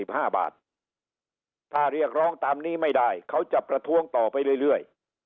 ห้าบาทถ้าเรียกร้องตามนี้ไม่ได้เขาจะประท้วงต่อไปเรื่อยเรื่อย